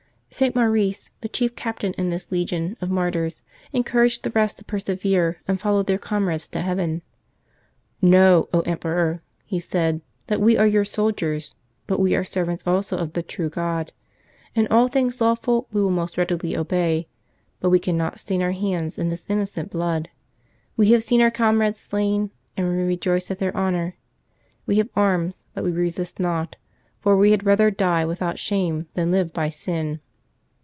St. Maurice, the chief captain in this legion of martyrs, encouraged the rest to persevere and follow their comrades to heaven. " Know, Emperor," he said, " that we are your soldiers, but we are servants also of the true God. In all things lawful we will most readily obey, but we cannot stain our hands in this innocent blood. We have seen our comrades slain, and we rejoice at their honor. We have arms, but we resist not, for we had rather die without shame than live by sin."